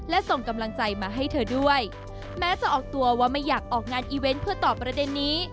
และส่งกำลังใจมาให้เธอด้วยแม้จะออกตัวว่าไม่อยากออกงานอีเวนต์เพื่อตอบประเด็นนี้